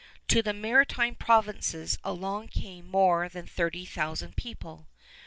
To the Maritime Provinces alone came more than thirty thousand people.